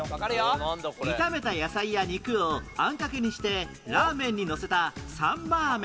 炒めた野菜や肉をあんかけにしてラーメンにのせたサンマーメン